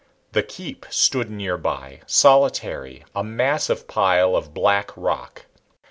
The keep stood nearby, solitary, a massive pile of black rock.